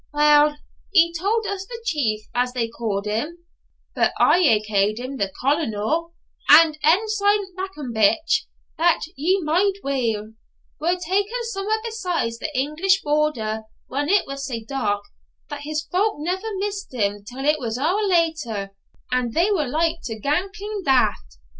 Aweel, he tauld us the Chief, as they ca'd him (but I aye ca' him the Colonel), and Ensign Maccombich, that ye mind weel, were ta'en somewhere beside the English border, when it was sae dark that his folk never missed him till it was ower late, and they were like to gang clean daft.